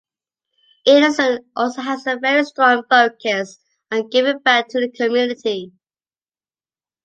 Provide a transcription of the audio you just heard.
Anderson also has a very strong focus on giving back to the community.